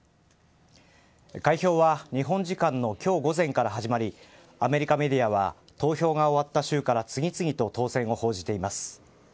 開票は日本時間の今日午前から始まりアメリカメディアは投票が終わった州から次々と当選を報じています。